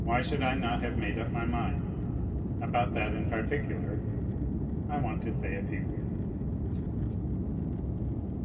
Why should I not have made up my mind ? About that in particular I want to say a few words.